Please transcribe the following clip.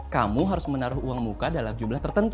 kamu harus menaruh uang muka dalam jumlah tertentu